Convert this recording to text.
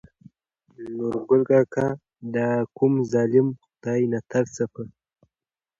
نورګل کاکا : دا کوم ظلم خداى ناترسه په